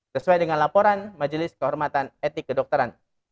sesuai dengan laporan majelis kehormatan etik kedokteran